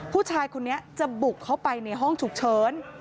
ผู้ชายคนนี้จะบุกเข้าไปในห้องฉุกเฉิน